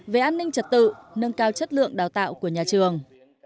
về an ninh trật tự nâng cao chất lượng đào tạo của nhà trường